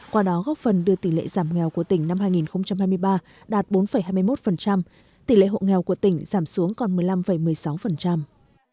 qua đó góp phần đưa tỷ lệ giảm nghèo của tỉnh năm hai nghìn hai mươi ba đạt bốn hai mươi một tỷ lệ hộ nghèo của tỉnh giảm xuống còn một mươi năm một mươi sáu